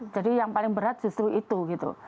jadi yang paling berat justru itu gitu